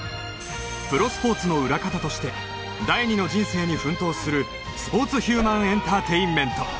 プロスポーツの裏方として第二の人生に奮闘するスポーツヒューマンエンターテインメント